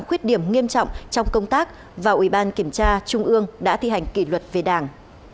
khuyết điểm nghiêm trọng trong công tác và ủy ban kiểm tra trung ương đã thi hành kỷ luật về đảng